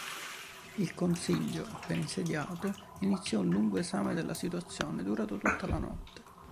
Il Consiglio, appena insediato, iniziò un lungo esame della situazione, durato tutta la notte.